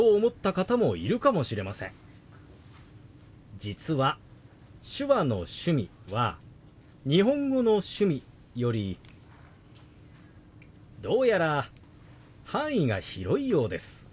実は手話の「趣味」は日本語の「趣味」よりどうやら範囲が広いようです。